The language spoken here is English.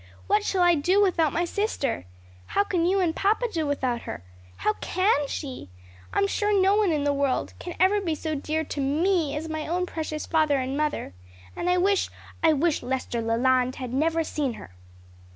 What shall I do without my sister? How can you and papa do without her? How can she? I'm sure no one in the world can ever be so dear to me as my own precious father and mother. And I wish I wish Lester Leland had never seen her."